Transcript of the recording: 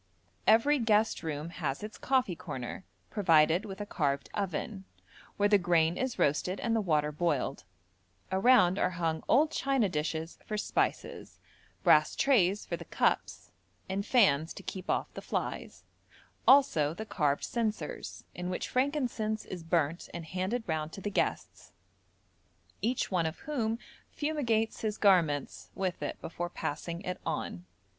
Every guest room has its coffee corner, provided with a carved oven, where the grain is roasted and the water boiled; around are hung old china dishes for spices, brass trays for the cups, and fans to keep off the flies; also the carved censers, in which frankincense is burnt and handed round to the guests, each one of whom fumigates his garments with it before passing it on.